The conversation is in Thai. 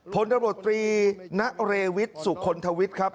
พลตำรวจตรีณเรวิทสุคลทวิทย์ครับ